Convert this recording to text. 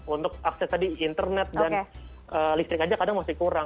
untuk akses tadi internet dan listrik aja kadang masih kurang